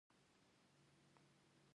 د جوزجان په مردیان کې څه شی شته؟